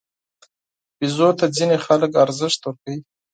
بیزو ته ځینې خلک ارزښت ورکوي.